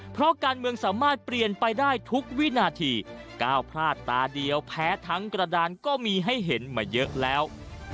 เพราะผมไม่เกี่ยวแล้ว